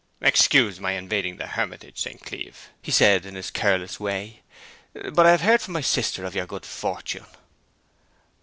'Excuse my invading the hermitage, St. Cleeve,' he said in his careless way, 'but I have heard from my sister of your good fortune.'